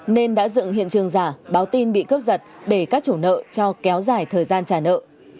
nên đã dựng hiện trường giả báo tin bị cướp giật để các chủ nợ cho kéo dài thời gian trả nợ